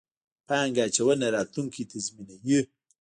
پانګه اچونه، راتلونکی تضمینوئ